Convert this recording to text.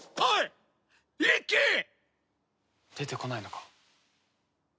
出てこないのか？